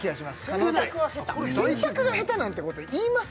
可能性洗濯が下手なんてこと言います？